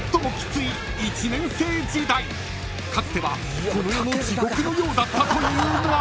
［かつてはこの世の地獄のようだったというが］